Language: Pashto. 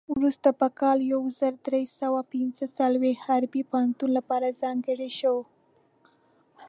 وروسته په کال یو زر درې سوه پنځه څلوېښت حربي پوهنتون لپاره ځانګړی شو.